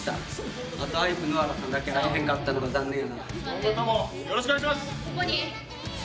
今後ともよろしくお願いします。